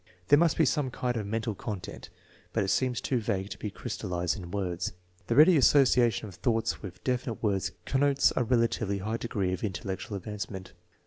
There must be some kind of mental content, but it seems too vague to be crystallized in words. The ready asso ciation of thoughts with definite words connotes a relatively high degree of intellectual advancement.